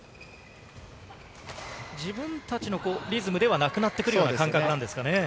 自分たちのリズムではなくなってくるような感覚なんですかね。